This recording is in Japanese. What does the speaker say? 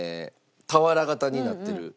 俵型になってる。